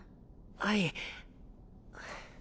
はい。